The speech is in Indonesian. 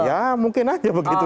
ya mungkin aja begitu